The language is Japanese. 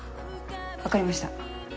分かりました。